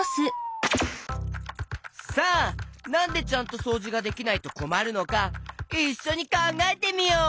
さあなんでちゃんとそうじができないとこまるのかいっしょにかんがえてみよう！